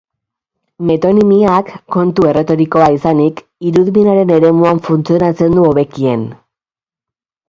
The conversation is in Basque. Metonimiak, kontu erretorikoa izanik, irudimenaren eremuan funtzionatzen du hobekien.